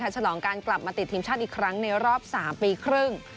ฉลองการกลับมาติดทีมชาติอีกครั้งในรอบ๓ปีครึ่ง